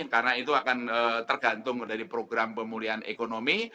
karena itu akan tergantung dari program pemulihan ekonomi